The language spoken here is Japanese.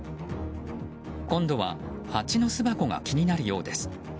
今度はハチの巣箱が気になるようです。